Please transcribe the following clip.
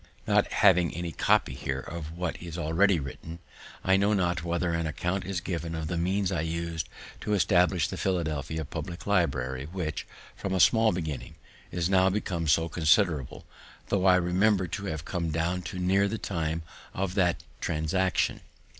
Not having any copy here of what is already written, I know not whether an account is given of the means I used to establish the Philadelphia public library, which, from a small beginning, is now become so considerable, though I remember to have come down to near the time of that transaction (1730).